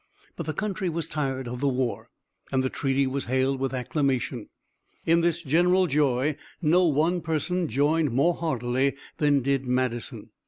But the country was tired of the war, and the treaty was hailed with acclamation. In this general joy no one person joined more heartily than did Madison.